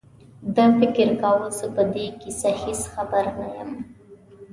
ده فکر کاوه زه په دې کیسه هېڅ خبر نه یم.